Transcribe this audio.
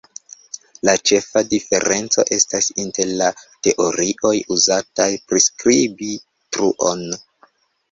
La ĉefa diferenco estas inter la teorioj uzataj priskribi truon.